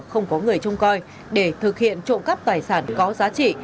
không có người trông coi để thực hiện trộm cắp tài sản có giá trị